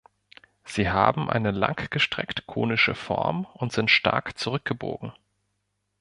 Sie haben eine langgestreckt konische Form und sind stark zurückgebogen.